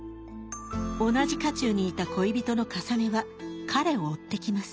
同じ家中にいた恋人のかさねは彼を追ってきます。